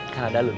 kan ada lo disini